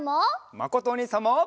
まことおにいさんも！